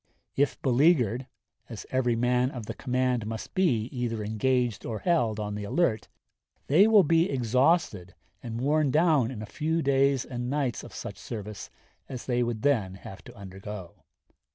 If beleaguered, as every man of the command must be either engaged or held on the alert, they will be exhausted and worn down in a few days and nights of such service as they would then have to undergo.